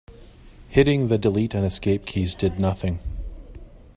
Hitting the delete and escape keys did nothing.